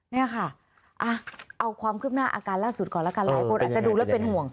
นี่ค่ะเอาความคืบหน้าอาการล่าสุดก่อนแล้วกันหลายคนอาจจะดูแล้วเป็นห่วง